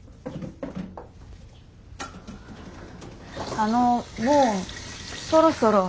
あのもうそろそろ。